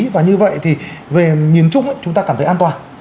và như vậy thì về nhìn chung chúng ta cảm thấy an toàn